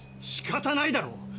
しかたないだろ！